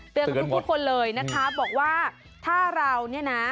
ทุกคนเลยนะคะบอกว่าถ้าเราเนี่ยนะ